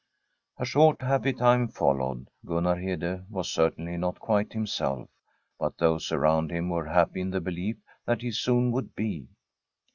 A short, happy time followed. Gunnar Hede was certainly not quite himself ; but those around him were happy in the belief that he soon would be.